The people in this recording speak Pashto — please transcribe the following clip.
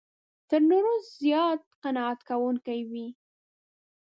تر نورو زیات قناعت کوونکی وي.